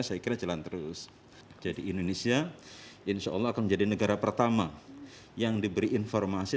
saya kira jalan terus jadi indonesia insyaallah menjadi negara pertama yang diberi informasi